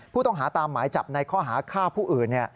ผู้ต้องหาตามหมายจับในข้อหาฆ่าผู้อื่น